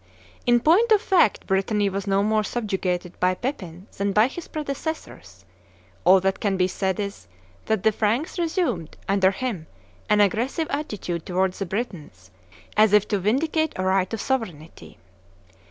In point of fact Brittany was no more subjugated by Pepin than by his predecessors; all that can be said is, that the Franks resumed, under him, an aggressive attitude towards the Britons, as if to vindicate a right of sovereignty.